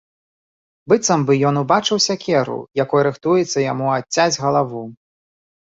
Быццам бы ён убачыў сякеру, якой рыхтуецца яму адцяць галаву.